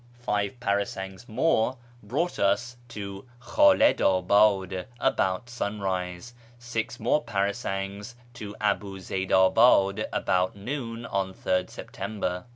Five parasangs more brought us to Khalid abad about sunrise ; six more parasangs to Abu Zeyd abad about noon on 3rd September.